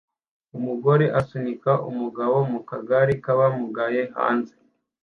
Umugore asunika umugabo mu kagare k'abamugaye hanze